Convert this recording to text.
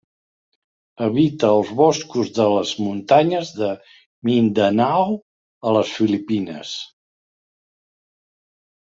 Habita els boscos de les muntanyes de Mindanao, a les Filipines.